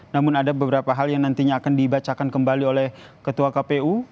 namun ada beberapa hal yang nantinya akan dibacakan kembali oleh ketua kpu